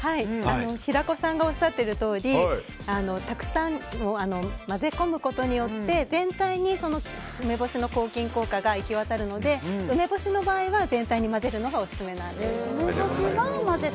平子さんがおっしゃってるとおりたくさん、混ぜ込むことによって全体に梅干しの抗菌効果が行き渡るので梅干しの場合は全体に混ぜるのがオススメなんです。